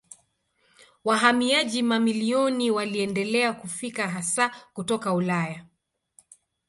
Wahamiaji mamilioni waliendelea kufika hasa kutoka Ulaya.